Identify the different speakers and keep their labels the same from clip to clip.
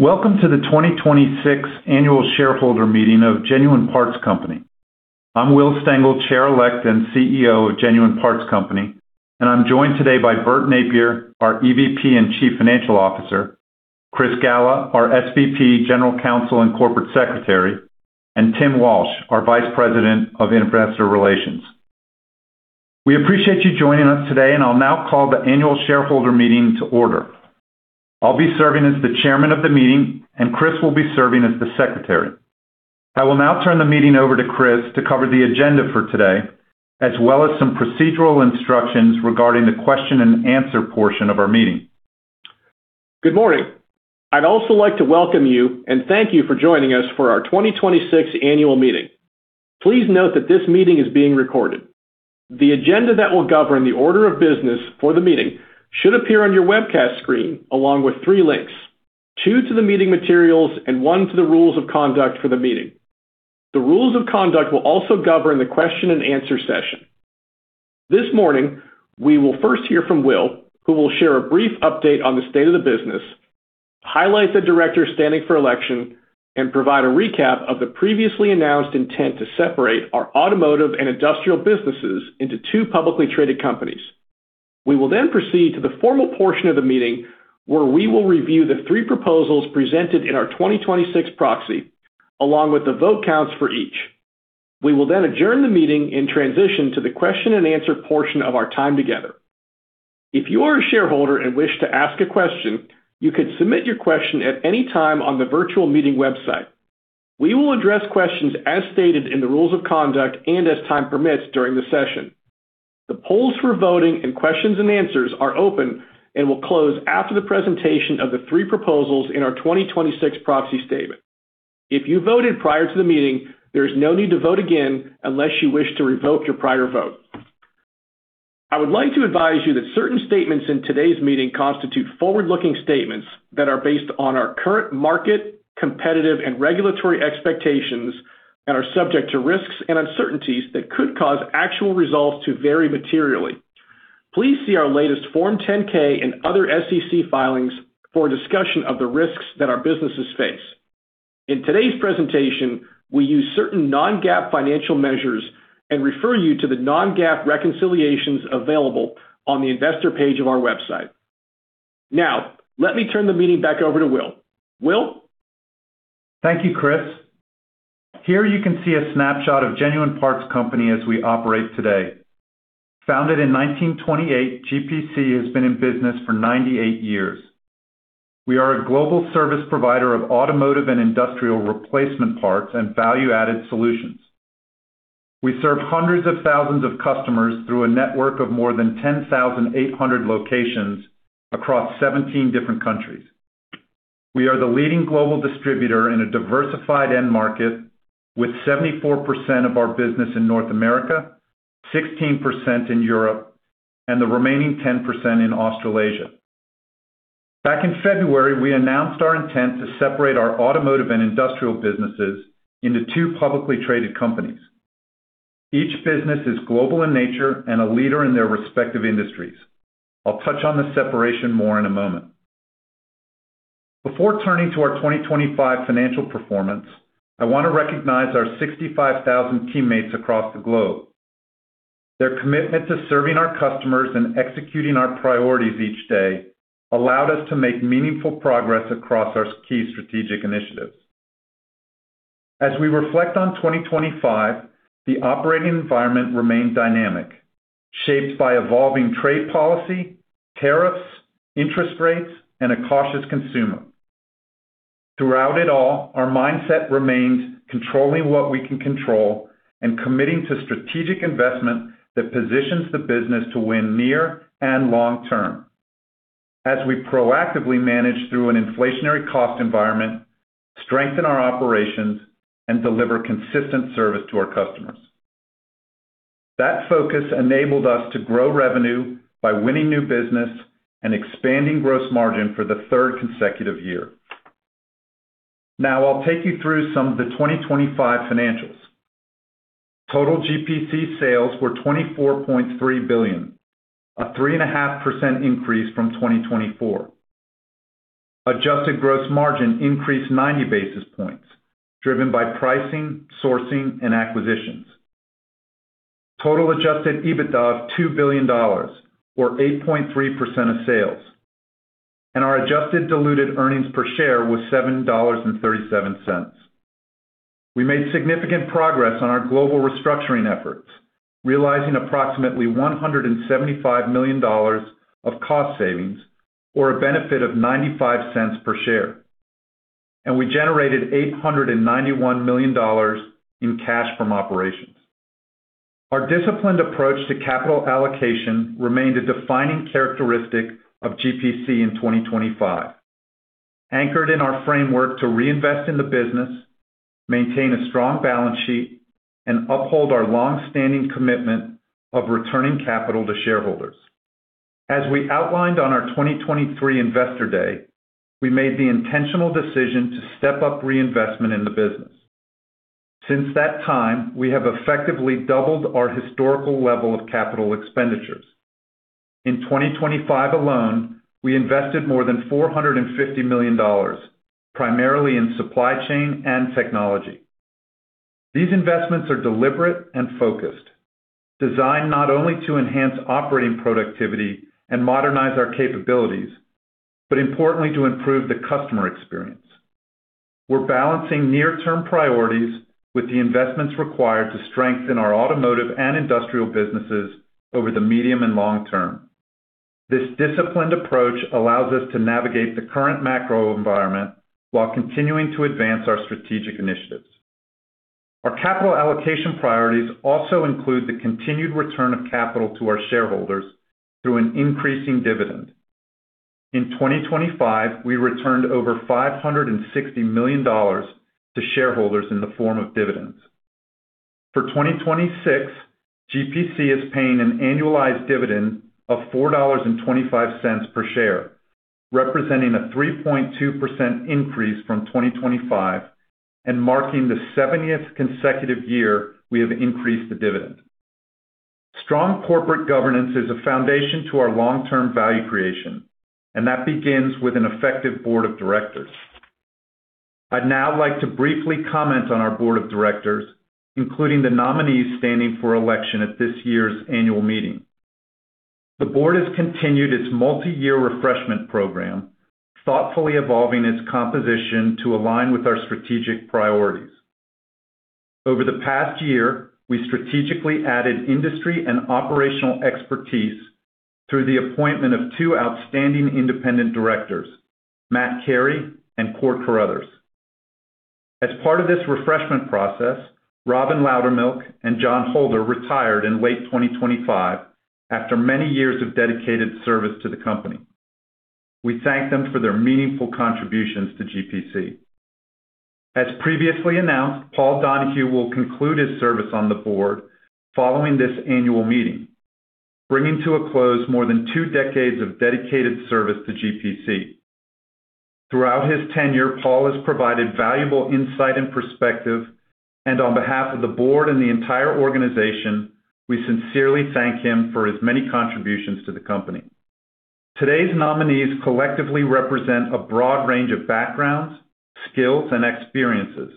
Speaker 1: Welcome to the 2026 Annual Shareholder Meeting of Genuine Parts Company. I'm Will Stengel, Chair Elect and CEO of Genuine Parts Company, and I'm joined today by Bert Nappier, our EVP and Chief Financial Officer, Chris Galla, our SVP, General Counsel and Corporate Secretary, and Timothy Walsh, our Vice President of Investor Relations. We appreciate you joining us today, and I'll now call the annual shareholder meeting to order. I'll be serving as the chairman of the meeting, and Chris will be serving as the secretary. I will now turn the meeting over to Chris to cover the agenda for today, as well as some procedural instructions regarding the question and answer portion of our meeting.
Speaker 2: Good morning. I'd also like to welcome you and thank you for joining us for our 2026 annual meeting. Please note that this meeting is being recorded. The agenda that will govern the order of business for the meeting should appear on your webcast screen, along with three links. Two to the meeting materials and one to the rules of conduct for the meeting. The rules of conduct will also govern the question and answer session. This morning, we will first hear from Will, who will share a brief update on the state of the business, highlight the directors standing for election, and provide a recap of the previously announced intent to separate our automotive and industrial businesses into two publicly traded companies. We will then proceed to the formal portion of the meeting where we will review the three proposals presented in our 2026 proxy, along with the vote counts for each. We will then adjourn the meeting and transition to the question and answer portion of our time together. If you are a shareholder and wish to ask a question, you could submit your question at any time on the virtual meeting website. We will address questions as stated in the rules of conduct and as time permits during the session. The polls for voting and questions and answers are open and will close after the presentation of the three proposals in our 2026 proxy statement. If you voted prior to the meeting, there is no need to vote again unless you wish to revoke your prior vote. I would like to advise you that certain statements in today's meeting constitute forward-looking statements that are based on our current market, competitive and regulatory expectations and are subject to risks and uncertainties that could cause actual results to vary materially. Please see our latest Form 10-K and other SEC filings for a discussion of the risks that our businesses face. In today's presentation, we use certain non-GAAP financial measures and refer you to the non-GAAP reconciliations available on the investor page of our website. Now, let me turn the meeting back over to Will. Will?
Speaker 1: Thank you, Chris. Here you can see a snapshot of Genuine Parts Company as we operate today. Founded in 1928, GPC has been in business for 98 years. We are a global service provider of automotive and industrial replacement parts and value-added solutions. We serve 100,000 of customers through a network of more than 10,800 locations across 17 different countries. We are the leading global distributor in a diversified end market with 74% of our business in North America, 16% in Europe, and the remaining 10% in Australasia. Back in February, we announced our intent to separate our automotive and industrial businesses into two publicly traded companies. Each business is global in nature and a leader in their respective industries. I'll touch on the separation more in a moment. Before turning to our 2025 financial performance, I wanna recognize our 65,000 teammates across the globe. Their commitment to serving our customers and executing our priorities each day allowed us to make meaningful progress across our key strategic initiatives. As we reflect on 2025, the operating environment remained dynamic, shaped by evolving trade policy, tariffs, interest rates, and a cautious consumer. Throughout it all, our mindset remained controlling what we can control and committing to strategic investment that positions the business to win near and long term. As we proactively manage through an inflationary cost environment, strengthen our operations, and deliver consistent service to our customers. That focus enabled us to grow revenue by winning new business and expanding gross margin for the third consecutive year. Now, I'll take you through some of the 2025 financials. Total GPC sales were 24.3 Billion, a 3.5% Increase from 2024. Adjusted gross margin increased 90 basis points, driven by pricing, sourcing, and acquisitions. Total adjusted EBITDA of $2 billion or 8.3% of sales. And our adjusted diluted earnings per share was $7.37. We made significant progress on our global restructuring efforts, realizing approximately $175 million of cost savings or a benefit of $95 per share. And we generated $891 million in cash from operations. Our disciplined approach to capital allocation remained a defining characteristic of GPC in 2025. Anchored in our framework to reinvest in the business, maintain a strong balance sheet, and uphold our long-standing commitment of returning capital to shareholders. As we outlined on our 2023 Investor Day, we made the intentional decision to step up reinvestment in the business. Since that time, we have effectively doubled our historical level of capital expenditures. In 2025 alone, we invested more than $450 million, primarily in supply chain and technology. These investments are deliberate and focused, designed not only to enhance operating productivity and modernize our capabilities, but importantly, to improve the customer experience. We're balancing near-term priorities with the investments required to strengthen our automotive and industrial businesses over the medium and long term. This disciplined approach allows us to navigate the current macro environment while continuing to advance our strategic initiatives. Our capital allocation priorities also include the continued return of capital to our shareholders through an increasing dividend. In 2025, we returned over $560 million to shareholders in the form of dividends. For 2026, GPC is paying an annualized dividend of $4.25 per share, representing a 3.2% increase from 2025 and marking the 70th consecutive year we have increased the dividend. Strong corporate governance is a foundation to our long-term value creation. That begins with an effective board of directors. I'd now like to briefly comment on our board of directors, including the nominees standing for election at this year's annual meeting. The board has continued its multi-year refreshment program, thoughtfully evolving its composition to align with our strategic priorities. Over the past year, we strategically added industry and operational expertise through the appointment of two outstanding independent directors, Matt Carey and Court Carruthers. As part of this refreshment process, Robin Loudermilk and John Holder retired in late 2025 after many years of dedicated service to the company. We thank them for their meaningful contributions to GPC. As previously announced, Paul Donahue will conclude his service on the board following this annual meeting, bringing to a close more than two decades of dedicated service to GPC. Throughout his tenure, Paul has provided valuable insight and perspective, and on behalf of the board and the entire organization, we sincerely thank him for his many contributions to the company. Today's nominees collectively represent a broad range of backgrounds, skills, and experiences.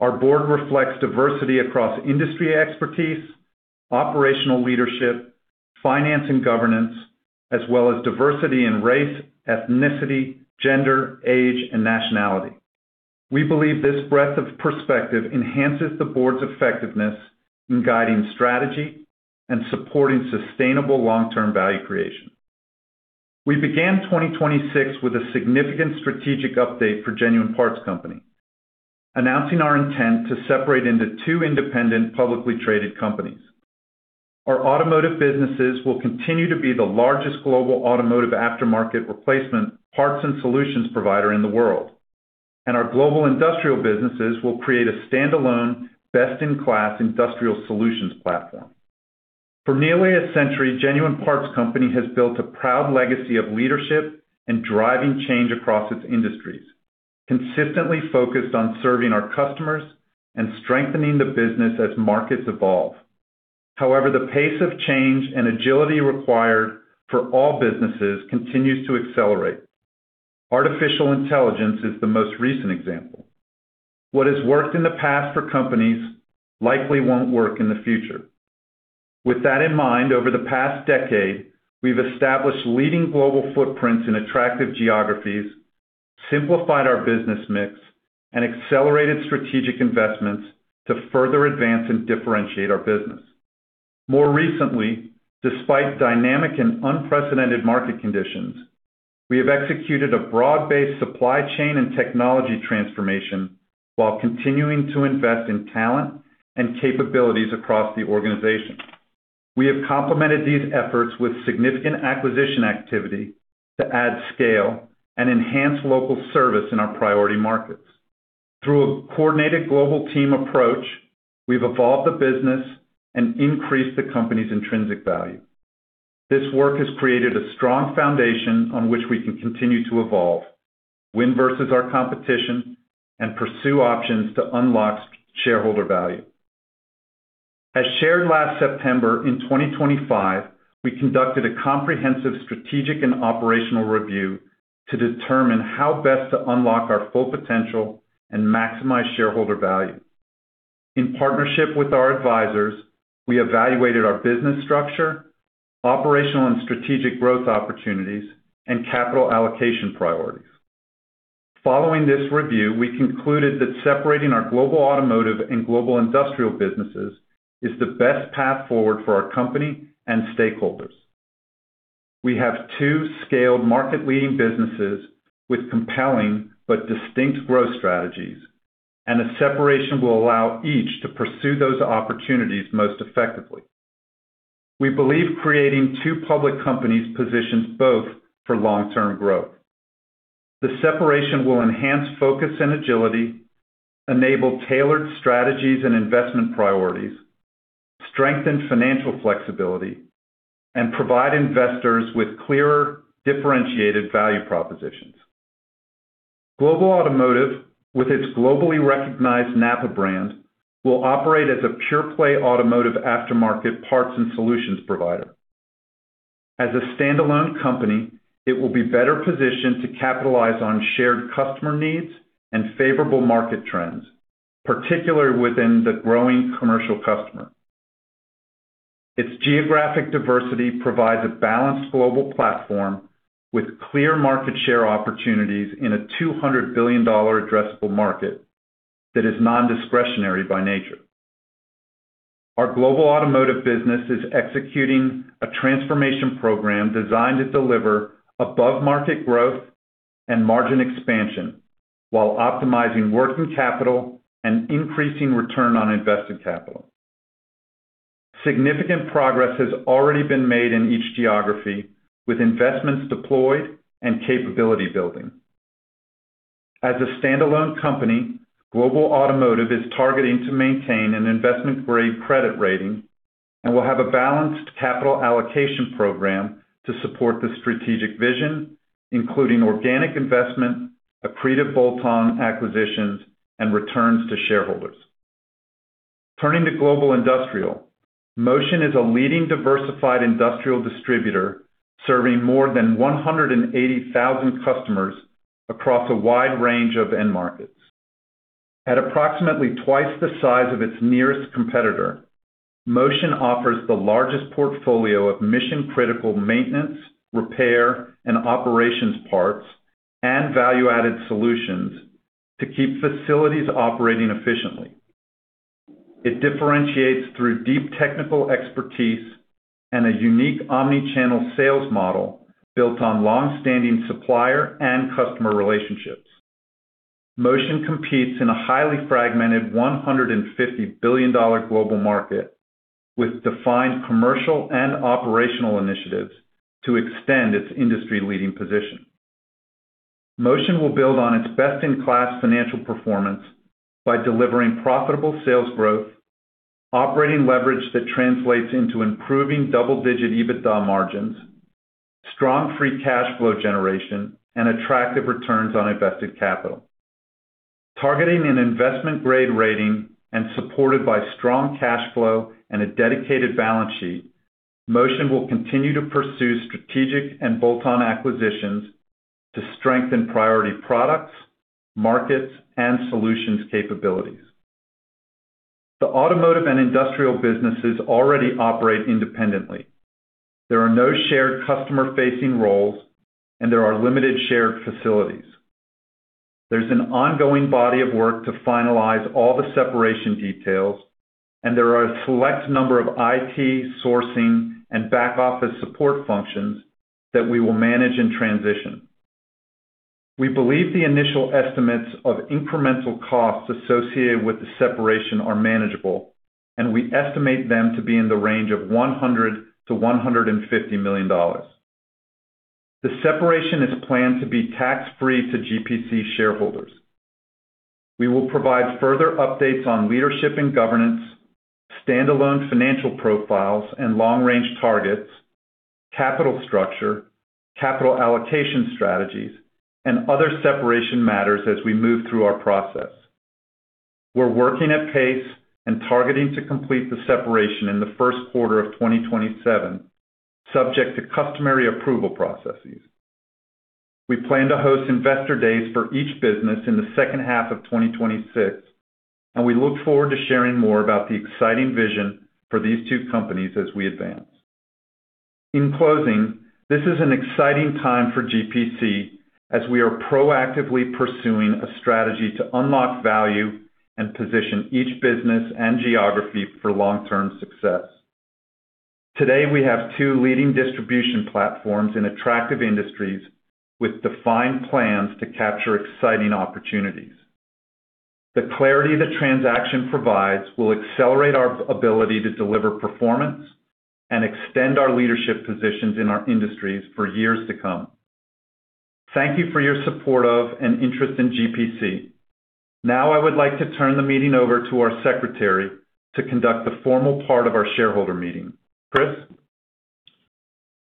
Speaker 1: Our board reflects diversity across industry expertise, operational leadership, finance and governance, as well as diversity in race, ethnicity, gender, age, and nationality. We believe this breadth of perspective enhances the board's effectiveness in guiding strategy and supporting sustainable long-term value creation. We began 2026 with a significant strategic update for Genuine Parts Company, announcing our intent to separate into two independent, publicly traded companies. Our automotive businesses will continue to be the largest global automotive aftermarket replacement parts and solutions provider in the world, and our global industrial businesses will create a standalone, best-in-class industrial solutions platform. For nearly a century, Genuine Parts Company has built a proud legacy of leadership and driving change across its industries, consistently focused on serving our customers and strengthening the business as markets evolve. However, the pace of change and agility required for all businesses continues to accelerate. Artificial intelligence is the most recent example. What has worked in the past for companies likely won't work in the future. With that in mind, over the past decade, we've established leading global footprints in attractive geographies, simplified our business mix, and accelerated strategic investments to further advance and differentiate our business. More recently, despite dynamic and unprecedented market conditions, we have executed a broad-based supply chain and technology transformation while continuing to invest in talent and capabilities across the organization. We have complemented these efforts with significant acquisition activity to add scale and enhance local service in our priority markets. Through a coordinated global team approach, we've evolved the business and increased the company's intrinsic value. This work has created a strong foundation on which we can continue to evolve, win versus our competition, and pursue options to unlock shareholder value. As shared last September, in 2025, we conducted a comprehensive strategic and operational review to determine how best to unlock our full potential and maximize shareholder value. In partnership with our advisors, we evaluated our business structure, operational and strategic growth opportunities, and capital allocation priorities. Following this review, we concluded that separating our global automotive and global industrial businesses is the best path forward for our company and stakeholders. We have two scaled market-leading businesses with compelling but distinct growth strategies, and a separation will allow each to pursue those opportunities most effectively. We believe creating two public companies positions both for long-term growth. The separation will enhance focus and agility, enable tailored strategies and investment priorities. Strengthen financial flexibility, and provide investors with clearer differentiated value propositions. Global Automotive, with its globally recognized NAPA brand, will operate as a pure-play automotive aftermarket parts and solutions provider. As a standalone company, it will be better positioned to capitalize on shared customer needs and favorable market trends, particularly within the growing commercial customer. Its geographic diversity provides a balanced global platform with clear market share opportunities in a $200 billion addressable market that is nondiscretionary by nature. Our Global Automotive business is executing a transformation program designed to deliver above-market growth and margin expansion while optimizing working capital and increasing return on invested capital. Significant progress has already been made in each geography with investments deployed and capability building. As a standalone company, Global Automotive is targeting to maintain an investment-grade credit rating and will have a balanced capital allocation program to support the strategic vision, including organic investment, accretive bolt-on acquisitions, and returns to shareholders. Turning to Global Industrial, Motion is a leading diversified industrial distributor serving more than 180,000 customers across a wide range of end markets. At approximately twice the size of its nearest competitor, Motion offers the largest portfolio of mission-critical maintenance, repair, and operations parts and value-added solutions to keep facilities operating efficiently. It differentiates through deep technical expertise and a unique omni-channel sales model built on long-standing supplier and customer relationships. Motion competes in a highly fragmented $150 billion global market with defined commercial and operational initiatives to extend its industry-leading position. Motion will build on its best-in-class financial performance by delivering profitable sales growth, operating leverage that translates into improving double-digit EBITDA margins, strong free cash flow generation, and attractive returns on invested capital. Targeting an investment-grade rating and supported by strong cash flow and a dedicated balance sheet, Motion will continue to pursue strategic and bolt-on acquisitions to strengthen priority products, markets, and solutions capabilities. The automotive and industrial businesses already operate independently. There are no shared customer-facing roles. There are limited shared facilities. There's an ongoing body of work to finalize all the separation details. There are a select number of IT, sourcing, and back-office support functions that we will manage and transition. We believe the initial estimates of incremental costs associated with the separation are manageable. We estimate them to be in the range of $100 million-$150 million. The separation is planned to be tax-free to GPC shareholders. We will provide further updates on leadership and governance, standalone financial profiles and long-range targets, capital structure, capital allocation strategies, and other separation matters as we move through our process. We're working at pace and targeting to complete the separation in the first quarter of 2027, subject to customary approval processes. We plan to host investor days for each business in the second half of 2026, and we look forward to sharing more about the exciting vision for these two companies as we advance. In closing, this is an exciting time for GPC as we are proactively pursuing a strategy to unlock value and position each business and geography for long-term success. Today, we have two leading distribution platforms in attractive industries with defined plans to capture exciting opportunities. The clarity the transaction provides will accelerate our ability to deliver performance and extend our leadership positions in our industries for years to come. Thank you for your support of and interest in GPC. I would like to turn the meeting over to our secretary to conduct the formal part of our shareholder meeting. Chris?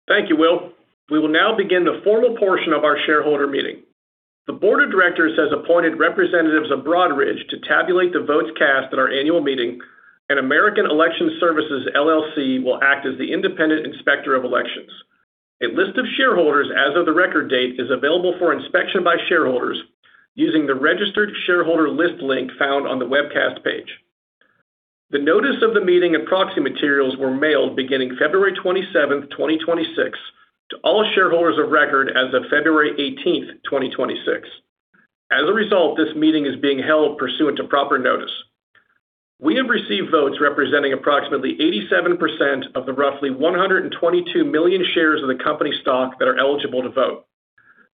Speaker 2: Thank you, Will. We will now begin the formal portion of our shareholder meeting. The board of directors has appointed representatives of Broadridge to tabulate the votes cast at our annual meeting, and American Election Services LLC will act as the independent inspector of elections. A list of shareholders as of the record date is available for inspection by shareholders using the registered shareholder list link found on the webcast page. The notice of the meeting and proxy materials were mailed beginning February 27th, 2026 to all shareholders of record as of February 18th, 2026. As a result, this meeting is being held pursuant to proper notice. We have received votes representing approximately 87% of the roughly 122 million shares of the company stock that are eligible to vote.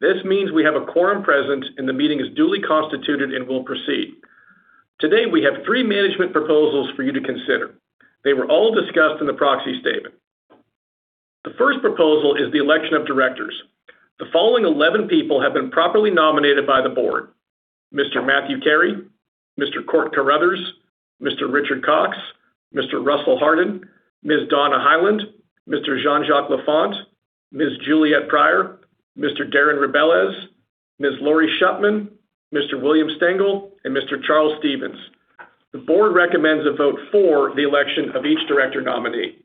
Speaker 2: This means we have a quorum present, and the meeting is duly constituted and will proceed. Today, we have three management proposals for you to consider. They were all discussed in the proxy statement. The first proposal is the election of directors. The following 11 people have been properly nominated by the board. Mr. Matthew Carey, Mr. Court Carruthers, Mr. Richard Cox, Mr. Russell Hardin, Ms. Donna Hyland, Mr. Jean-Jacques Lafont, Ms. Juliette Pryor, Mr. Darren Rebelez, Ms. Laurie Schupmann, Mr. William Stengel, and Mr. Charles Stevens. The board recommends a vote for the election of each director nominee.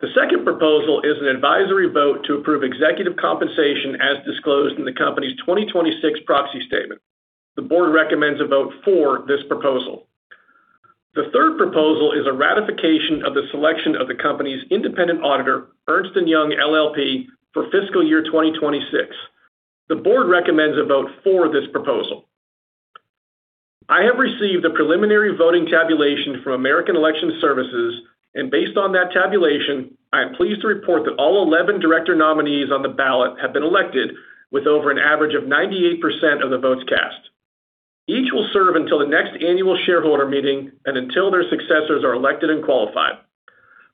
Speaker 2: The second proposal is an advisory vote to approve executive compensation as disclosed in the company's 2026 proxy statement. The board recommends a vote for this proposal. The third proposal is a ratification of the selection of the company's independent auditor, Ernst & Young LLP, for fiscal year 2026. The board recommends a vote for this proposal. I have received a preliminary voting tabulation from American Election Services, and based on that tabulation, I am pleased to report that all 11 director nominees on the ballot have been elected with over an average of 98% of the votes cast. Each will serve until the next annual shareholder meeting and until their successors are elected and qualified.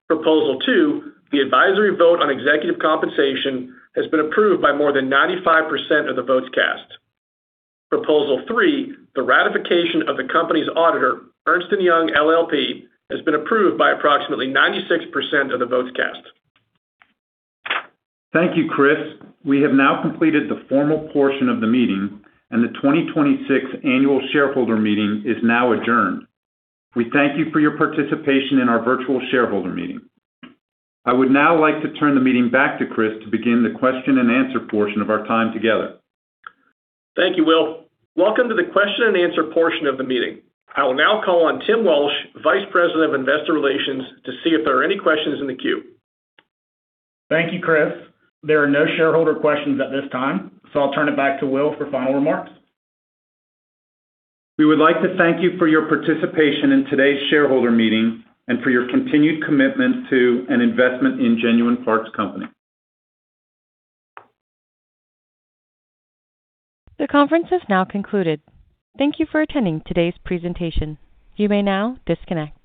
Speaker 2: Proposal two, the advisory vote on executive compensation, has been approved by more than 95% of the votes cast. Proposal three, the ratification of the company's auditor, Ernst & Young LLP, has been approved by approximately 96% of the votes cast.
Speaker 1: Thank you, Chris. We have now completed the formal portion of the meeting, and the 2026 annual shareholder meeting is now adjourned. We thank you for your participation in our virtual shareholder meeting. I would now like to turn the meeting back to Chris to begin the question-and-answer portion of our time together.
Speaker 2: Thank you, Will. Welcome to the question-and-answer portion of the meeting. I will now call on Timothy Walsh, Vice President, Investor Relations, to see if there are any questions in the queue.
Speaker 3: Thank you, Chris. There are no shareholder questions at this time. I'll turn it back to Will for final remarks.
Speaker 1: We would like to thank you for your participation in today's shareholder meeting and for your continued commitment to an investment in Genuine Parts Company.
Speaker 4: The conference has now concluded. Thank you for attending today's presentation. You may now disconnect.